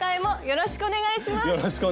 よろしくお願いします。